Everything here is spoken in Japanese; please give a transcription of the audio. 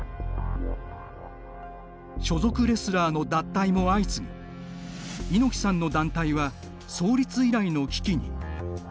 所属レスラーの脱退も相次ぎ猪木さんの団体は創立以来の危機に。